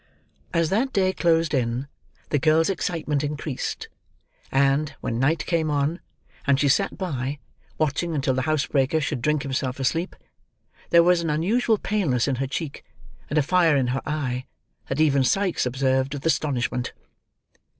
As that day closed in, the girl's excitement increased; and, when night came on, and she sat by, watching until the housebreaker should drink himself asleep, there was an unusual paleness in her cheek, and a fire in her eye, that even Sikes observed with astonishment.